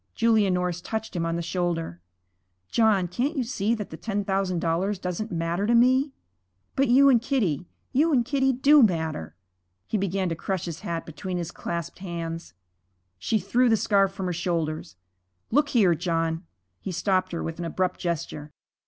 Julia Norris touched him on the shoulder. 'John, can't you see that the ten thousand dollars doesn't matter to me? But you and Kitty you and Kitty do matter.' He began to crush his hat between his clasped hands. She threw the scarf from her shoulders. 'Look here, John ' He stopped her with an abrupt gesture.